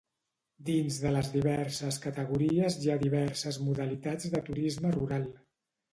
Dins de les diverses categories hi ha diverses modalitats de turisme rural.